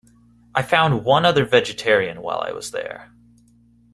I found one other vegetarian while I was there.